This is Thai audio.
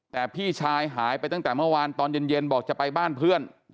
แต่พี่ชายหายไปตั้งแต่เมื่อวานตอนเย็นบอกจะไปบ้านเพื่อน